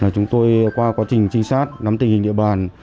chúng tôi qua quá trình trinh sát nắm tình hình địa bàn